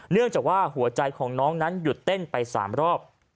เนื่องจากว่าหัวใจของน้องนั้นหยุดเต้นไป๓รอบ